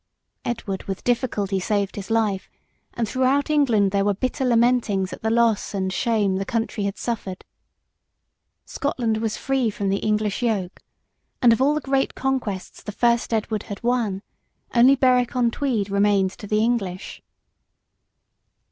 Edward with difficulty saved his life, and throughout England there were bitter lamentings at the loss and shame the country had suffered. Scotland was free from the English yoke, and of all the great conquests the first Edward had won, only Berwick on Tweed remained to the English.